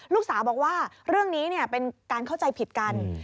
ลูกสาวบอกว่าเรื่องนี้เป็นการเข้าใจผิดกัน